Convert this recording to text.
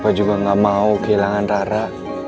gue juga gak mau kehilangan rara